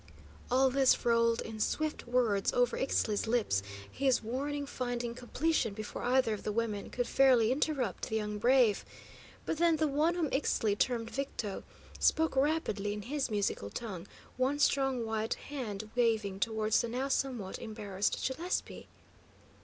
All this rolled in swift words over Ixtli's lips, his warning finding completion before either of the women could fairly interrupt the young brave. But then the one whom Ixtli termed Victo spoke rapidly in his musical tongue, one strong white hand waving towards the now somewhat embarrassed Gillespie.